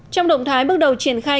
trong động thái bước đầu triển khai